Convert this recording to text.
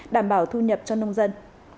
đảm bảo thu nhập cho nông dân